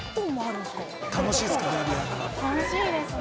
楽しいですか？